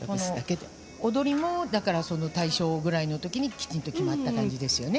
踊りも、大正ぐらいの時にきちんと決まった感じですよね。